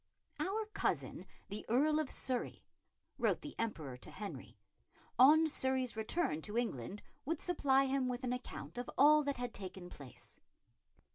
"Our cousin, the Earl of Surrey," wrote the Emperor to Henry, on Surrey's return to England, would supply him with an account of all that had taken place.